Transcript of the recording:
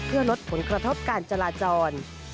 เพื่อลดผลกระทบการจราจร